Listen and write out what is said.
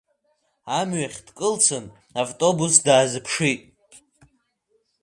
Амҩахь дкылсын, автобус даазԥшит.